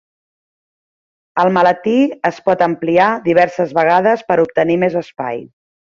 El maletí es pot ampliar diverses vegades per obtenir més espai.